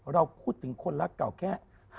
เราพูดถึงคนรักเก่าแค่